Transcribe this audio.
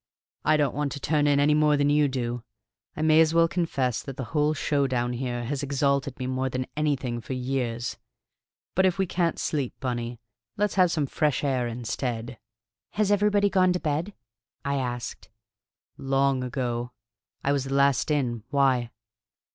I don't want to turn in, any more than you do. I may as well confess that the whole show down here has exalted me more than anything for years. But if we can't sleep, Bunny, let's have some fresh air instead." "Has everybody gone to bed?" I asked. "Long ago. I was the last in. Why?"